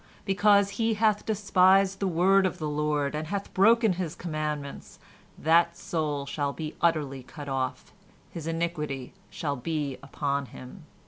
"Because he hath despised the word of the Lord, and hath broken His commandments, that soul shall be utterly cut off; his iniquity shall be upon him.